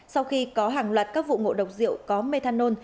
sau khi có hàng loạt các vụ ngộ độc rượu có methanol